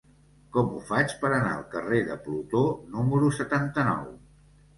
Com ho faig per anar al carrer de Plutó número setanta-nou?